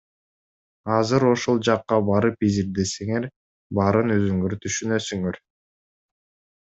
Азыр ошол жакка барып изилдесеңер, баарын өзүңөр түшүнөсүңөр.